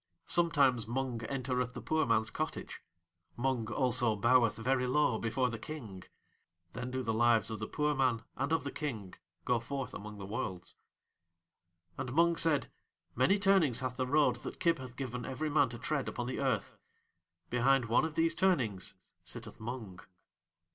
Sometimes Mung entereth the poor man's cottage; Mung also boweth very low before The King. Then do the Lives of the poor man and of The King go forth among the Worlds. And Mung said: "Many turnings hath the road that Kib hath given every man to tread upon the earth. Behind one of these turnings sitteth Mung."